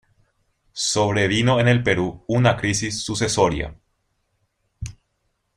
Sobrevino en el Perú una crisis sucesoria.